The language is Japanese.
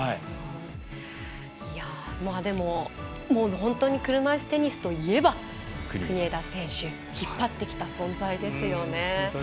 本当に車いすテニスといえば国枝選手、引っ張ってきた選手ですよね。